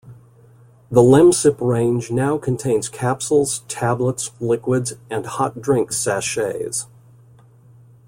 The Lemsip range now contains capsules, tablets, liquids, and hot drink sachets.